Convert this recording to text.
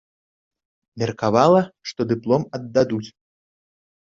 Меркавала, што дыплом аддадуць.